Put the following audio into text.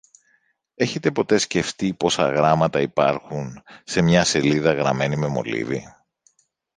Έχετε ποτέ σκεφτεί πόσα γράμματα υπάρχουν σε μια σελίδα γραμμένη με μολύβι